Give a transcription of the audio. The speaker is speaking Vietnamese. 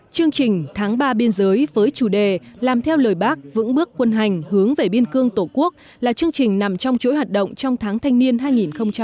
chương trình tháng ba biên giới với chủ đề làm theo lời bác vững bước quân hành hướng về biên cương tổ quốc là chương trình nằm trong chuỗi hoạt động trong tháng thanh niên hai nghìn hai mươi bốn